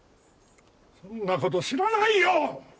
そんな事知らないよ！